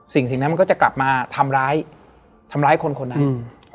สิ่งนั้นก็จะกลับมาทำร้ายคนคนอื่น